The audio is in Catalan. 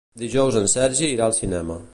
Dijous en Sergi irà al cinema.